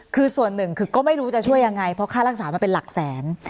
คือส่วนหนึ่งคือก็ไม่รู้จะช่วยยังไงเพราะค่ารักษามันเป็นหลักแสน